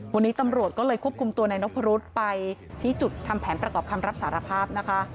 วันนี้ตำรวจก็เลยควบคุมตัวนายนพรุษไปชี้จุดทำแผนประกอบคำรับสารภาพนะคะ